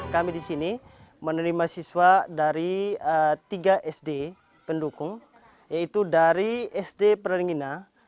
kami di sini menerima siswa dari tiga sd pendukung yaitu dari sd preringina